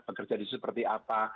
bekerja di seperti apa